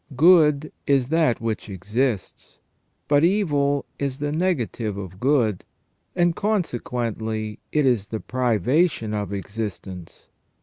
Good is that which exists; but evil is the negative of good, and conse quently it is the privation of existence.